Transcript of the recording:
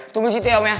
tunggu di situ ya om ya